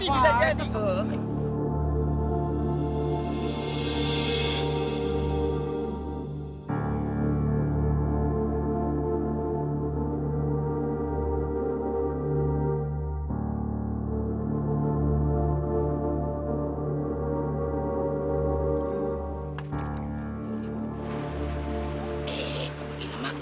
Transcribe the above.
masih bisa jadi